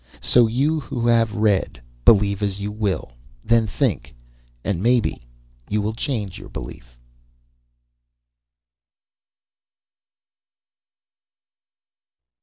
So, you who have read, believe as you will. Then think and maybe, you will change your belief.